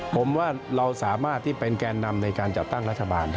ผมว่าเราสามารถที่เป็นแกนนำในการจัดตั้งรัฐบาล